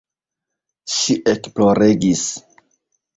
Ŝi ekploregis.